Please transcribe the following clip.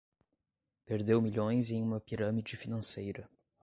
Perdeu milhões em uma pirâmide financeira